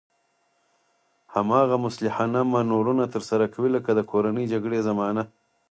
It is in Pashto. هماغه مسلحانه مانورونه ترسره کوي لکه د کورنۍ جګړې زمانه.